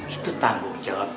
itu tanggung jawab